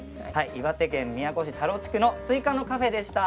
岩手県宮古市田老地区のスイカのカフェでした。